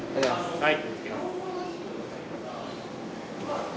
はい！